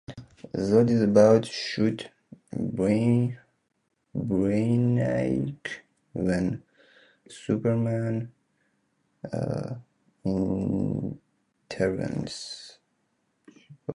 Zod is about to shoot Brainiac when Superman intervenes.